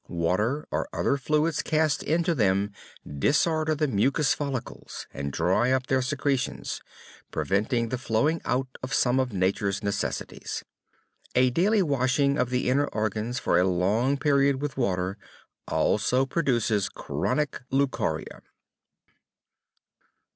Water or other fluids cast into them disorder the mucous follicles, and dry up their secretions, preventing the flowing out of some of Nature's necessities. A daily washing of the inner organs for a long period with water also produces chronic leucorrhea.